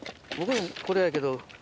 僕のこれやけど。